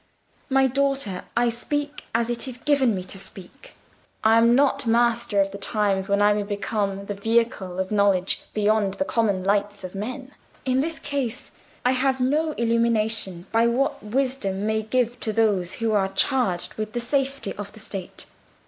"My daughter, I speak as it is given me to speak—I am not master of the times when I may become the vehicle of knowledge beyond the common lights of men. In this case I have no illumination beyond what wisdom may give to those who are charged with the safety of the State.